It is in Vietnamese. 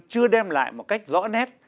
chưa đem lại một cách rõ nét